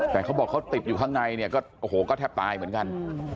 แต่เขาบอกเขาติดอยู่ข้างในเนี่ยก็โอ้โหก็แทบตายเหมือนกัน